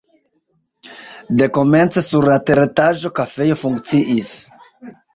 Dekomence sur la teretaĝo kafejo funkciis.